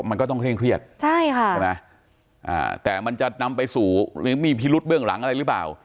มันก็ต้องเคร่งเครียดใช่ค่ะใช่ไหมแต่มันจะนำไปสู่หรือมีพิรุษเบื้องหลังอะไรหรือเปล่า